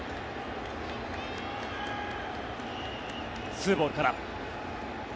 ２ボールから。